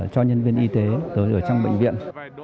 cho nhân viên y tế ở trong bệnh viện